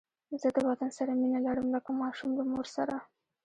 زه د وطن سره مینه لرم لکه ماشوم له مور سره